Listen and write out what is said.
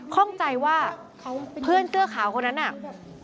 ข้องใจว่าเพื่อนเสื้อขาวคนนั้นน่ะ